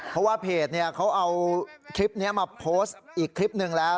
เพราะว่าเพจเขาเอาคลิปนี้มาโพสต์อีกคลิปหนึ่งแล้ว